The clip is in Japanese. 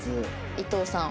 伊藤さん。